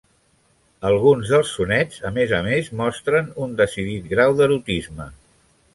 Alguns dels sonets, a més a més, mostren un decidit grau d'erotisme.